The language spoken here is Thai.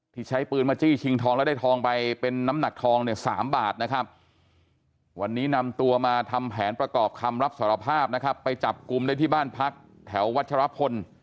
ใช้ปืนมาจี้ชิงทองแล้วได้ทองไปเป็นน้ำหนักทองเนี่ย๓บาทนะครับวันนี้นำตัวมาทำแผนประกอบคำรับสารภาพนะครับไปจับกลุ่มได้ที่บ้านพักแถววัชรพล